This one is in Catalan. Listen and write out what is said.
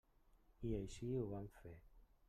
I així ho vam fer.